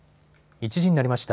１時になりました。